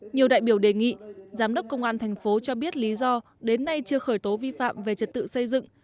nhiều đại biểu đề nghị giám đốc công an tp cho biết lý do đến nay chưa khởi tố vi phạm về trật tự xây dựng